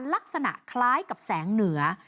ลักษณะคล้ายกับแสงเหนือ